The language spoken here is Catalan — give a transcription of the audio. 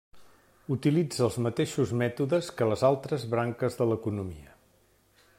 Utilitza els mateixos mètodes que les altres branques de l'economia.